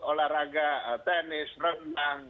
olahraga tenis renang